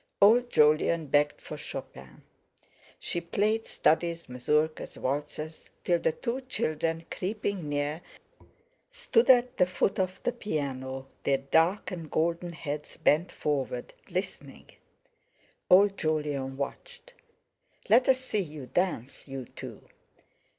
Old Jolyon begged for Chopin. She played studies, mazurkas, waltzes, till the two children, creeping near, stood at the foot of the piano their dark and golden heads bent forward, listening. Old Jolyon watched. "Let's see you dance, you two!"